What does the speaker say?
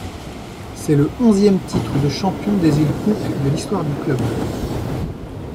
C'est le onzième titre de champion des îles Cook de l’histoire du club.